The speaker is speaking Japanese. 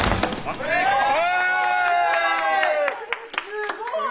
すごい！